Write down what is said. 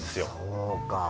そうか。